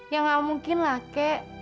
ya gak mungkin lah kakek